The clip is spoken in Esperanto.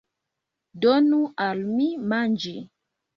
Donu al mi manĝi!